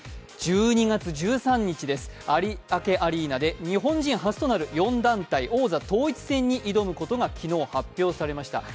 １２月１３日です、有明アリーナで日本人初となる４団体王座統一戦に挑むことが昨日発表されました。